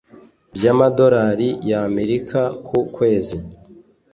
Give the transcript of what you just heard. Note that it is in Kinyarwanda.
byamadorari yAmerika ku kwezi